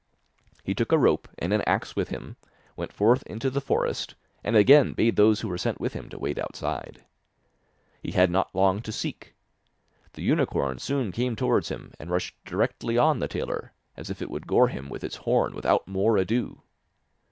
He took a rope and an axe with him, went forth into the forest, and again bade those who were sent with him to wait outside. He had not long to seek. The unicorn soon came towards him, and rushed directly on the tailor, as if it would gore him with its horn without more ado.